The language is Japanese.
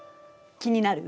気になる？